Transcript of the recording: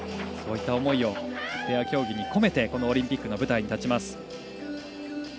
そういった思いをペア競技に込めてオリンピックの舞台に立ちます。